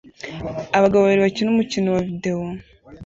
Abagabo babiri bakina umukino wa videwo